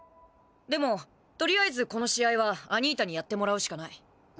でもとりあえずこの試合はアニータにやってもらうしかない。